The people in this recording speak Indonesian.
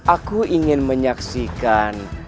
aku ingin menyaksikan